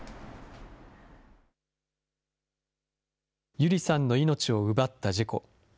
友梨さんの命を奪った事故。